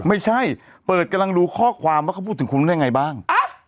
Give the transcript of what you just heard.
ไม่ใช่เปิดกำลังดูข้อความว่าเขาพูดถึงคุณได้ยังไงบ้าง